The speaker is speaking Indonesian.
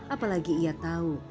apalagi ia tahu